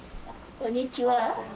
こんにちは。